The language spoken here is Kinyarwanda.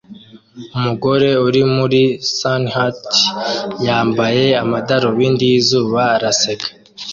Umugore uri muri sunhat yambaye amadarubindi yizuba araseka